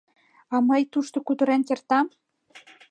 — А мый тушто кутырен кертам?